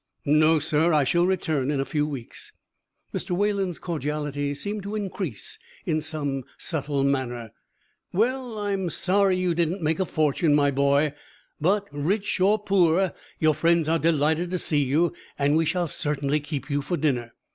"No, sir; I shall return in a few weeks." Mr. Wayland's cordiality seemed to increase in some subtle manner. "Well, I am sorry you didn't make a fortune, my boy. But, rich or poor, your friends are delighted to see you, and we shall certainly keep you for dinner.